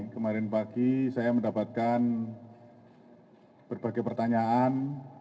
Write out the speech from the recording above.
kemarin pagi saya mendapatkan berbagai pertanyaan